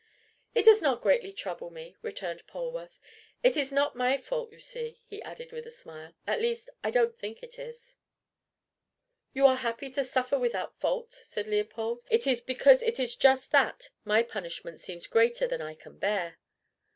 "It does not greatly trouble me," returned Polwarth. "It is not my fault, you see," he added with a smile; "at least I don't think it is." "You are happy to suffer without fault," said Leopold. "It is because it is just that my punishment seems greater than I can bear."